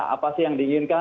apa sih yang diinginkan